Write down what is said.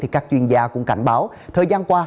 các chuyên gia cũng cảnh báo thời gian qua